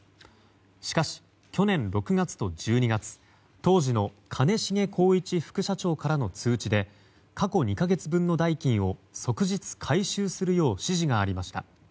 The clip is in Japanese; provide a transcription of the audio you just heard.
しかし、去年６月と１２月当時の兼重宏一副社長からの通知で過去２か月分の代金を即日回収するよう指示がありました。